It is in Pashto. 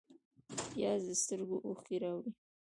پیاز د سترګو اوښکې راوړي